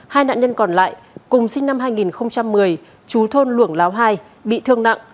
hai nạn nhân còn lại cùng sinh năm hai nghìn một mươi chú thôn luồng láo hai bị thương nặng